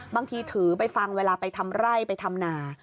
บางทีถือไปฟังเวลาไปทำไร่ไปทำนา